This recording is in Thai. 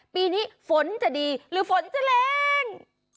ปีนี้ฝนจะดีหรือฝนจะแรง